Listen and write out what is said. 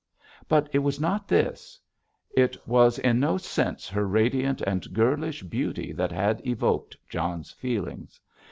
But it was not this, it was in no sense her radiant and girlish beauty that had evoked John's feelings.